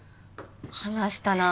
話したな。